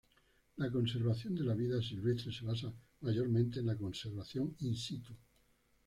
La conservación de la vida silvestre se basa mayormente en la conservación "in situ".